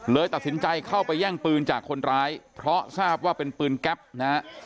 ตัดสินใจเข้าไปแย่งปืนจากคนร้ายเพราะทราบว่าเป็นปืนแก๊ปนะฮะ